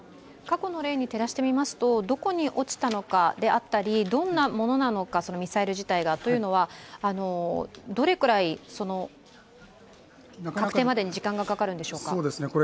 過去の例に照らしてみますと、どこに落ちたのかであったり、ミサイル自体がどんなものなのかというのは、どれくらい確定までに時間がかかるんでしょうか？